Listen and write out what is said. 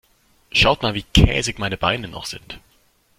Schaut mal, wie käsig meine Beine noch sind.